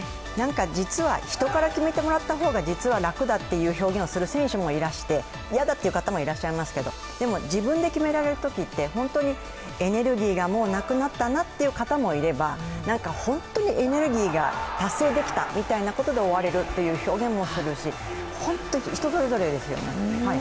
実は、人から決めてもらった方が実は楽だっていう表現をする方もいらっしゃって嫌だという方もいらっしゃいますが、でも自分で決められるときってエネルギーがもうなくなったなという方もいれば本当にエネルギーが達成できたっちうことで終われるという表現もするし、人それぞれですよね